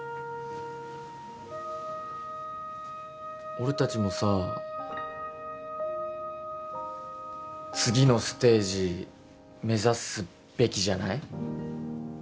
俺達もさ次のステージ目指すべきじゃない？